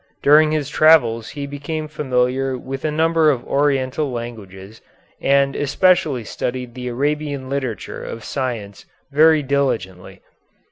During his travels he became familiar with a number of Oriental languages, and especially studied the Arabian literature of science very diligently.